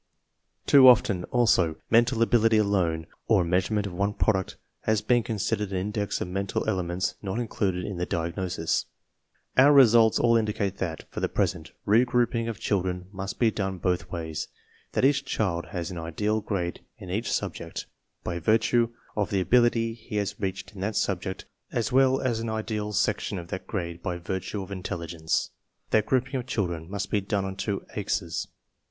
Too often, also, mental ability alone or measurement of one product has been considered an index of mental ele ments not included in the diagnosis. Our results all indicate that, for the present, re grouping of children must be done both ways; that each child has an ideal grade in each subject, by virtue of the ability he has reached in that subject as well as an ideal section of that grade by virtue of intelligence; that grouping of chil / 78 TESTS AND SCHOOL REORGANIZATION dren must be done on two axes.